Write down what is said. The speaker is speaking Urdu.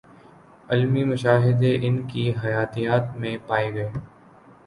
علمی مشاہدے ان کی حیاتیات میں پائے گئے